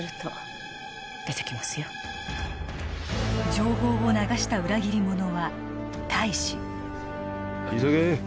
情報を流した裏切り者は大使急げ